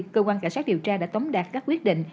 cơ quan cảnh sát điều tra đã tống đạt các quyết định